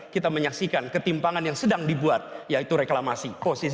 kita akan jeda terlebih dahulu